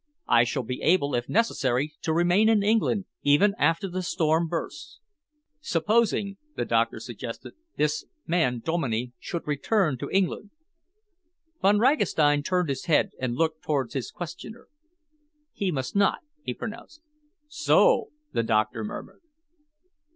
I shall be able, if necessary, to remain in England even after the storm bursts." "Supposing," the doctor suggested, "this man Dominey should return to England?" Von Ragastein turned his head and looked towards his questioner. "He must not," he pronounced. "So!" the doctor murmured.